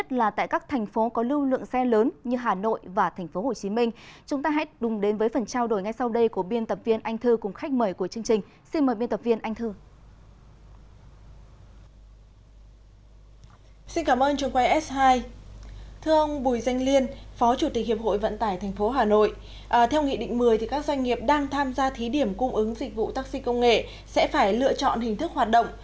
theo nghị định một mươi các doanh nghiệp đang tham gia thí điểm cung ứng dịch vụ taxi công nghệ sẽ phải lựa chọn hình thức hoạt động